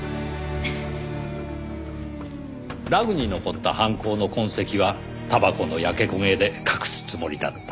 ラグに残った犯行の痕跡はたばこの焼け焦げで隠すつもりだった。